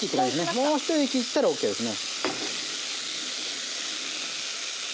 もう一息いったらＯＫですね。